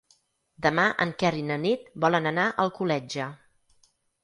Demà en Quer i na Nit volen anar a Alcoletge.